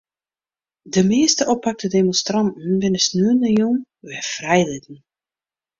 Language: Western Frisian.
De measte oppakte demonstranten binne sneontejûn wer frijlitten.